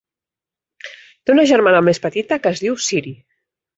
Té una germana més petita que es diu Ciri.